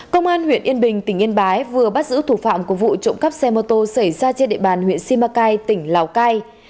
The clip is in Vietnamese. công an huyện yên bình tỉnh yên bái vừa bắt giữ thủ phạm của vụ trộm cắp xe mô tô xảy ra trên địa bàn huyện simacai tỉnh lào cai